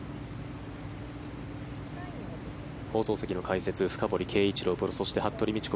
放送席の解説深堀圭一郎プロそして、服部道子